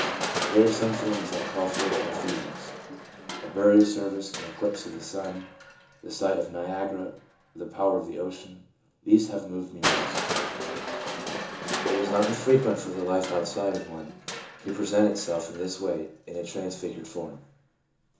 There are some things that call forth my feelings — a burial service, an eclipse of the sun, the sight of Niagara, the power of the ocean — these have moved me most/ It is not infrequent for the life outside of one to present itself in this way in a trans figured form.